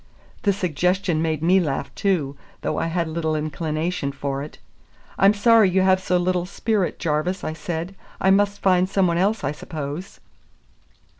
The suggestion made me laugh too, though I had little inclination for it. "I'm sorry you have so little spirit, Jarvis," I said. "I must find some one else, I suppose."